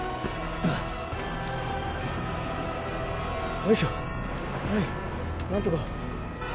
よいしょはい何とか。